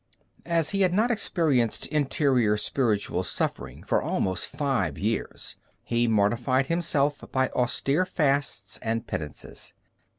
As he had not experienced interior spiritual suffering for almost five years, he mortified himself by austere fasts and penances.